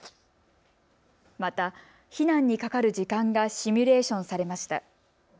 また、避難にかかる時間がシミュレーションされました。